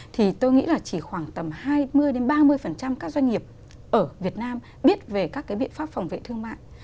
thì tôi nghĩ là chỉ khoảng tầm hai mươi ba mươi các doanh nghiệp ở việt nam biết về các cái biện pháp phòng vệ thương mại